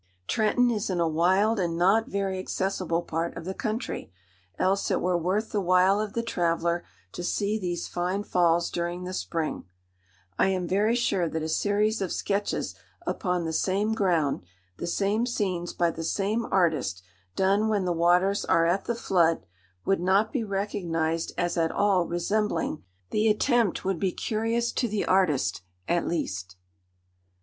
Trenton is in a wild and not very accessible part of the country, else it were worth the while of the traveller to see these fine Falls during the spring. I am very sure that a series of sketches upon the same ground—the same scenes by the same artist, done when the waters are at the flood, would not be recognised as at all resembling. The attempt would be curious to the artist, at least.